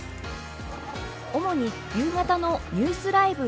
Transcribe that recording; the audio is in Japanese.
主に夕方の「ニュースＬＩＶＥ！